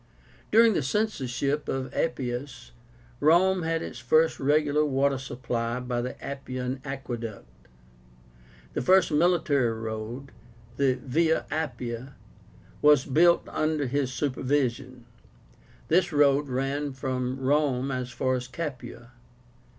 During the censorship of Appius, Rome had its first regular water supply by the Appian aqueduct. The first military road, the VIA APPIA, was built under his supervision. This road ran at first from Rome as far as Capua.